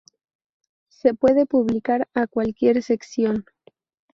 Se puede publicar a cualquier sección.